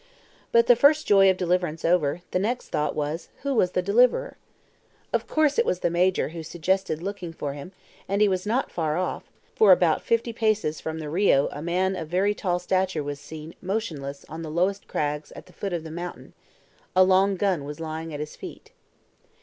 But the first joy of deliverance over, the next thought was who was the deliverer? Of course it was the Major who suggested looking for him, and he was not far off, for about fifty paces from the RIO a man of very tall stature was seen standing motionless on the lowest crags at the foot of the mountain. A long gun was lying at his feet.